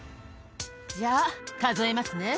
じゃあ、数えますね。